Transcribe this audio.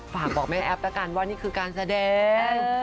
ฝากบอกแม่แอฟแล้วกันว่านี่คือการแสดง